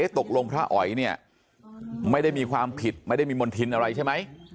ตกลงพระอ๋อยเนี่ยไม่ได้มีความผิดไม่ได้มีมณฑินอะไรใช่ไหม